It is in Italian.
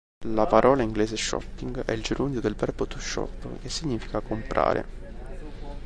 La parola inglese "shopping" è il gerundio del verbo "to shop", che significa comprare.